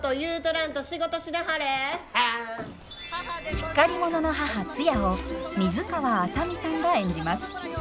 しっかり者の母ツヤを水川あさみさんが演じます。